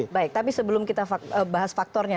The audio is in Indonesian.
baik tapi sebelum kita bahas faktornya